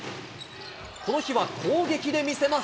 この日は攻撃で見せます。